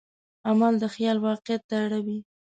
عمل د خیال واقعیت ته اړوي.